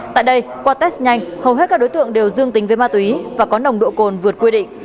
tại đây qua test nhanh hầu hết các đối tượng đều dương tính với ma túy và có nồng độ cồn vượt quy định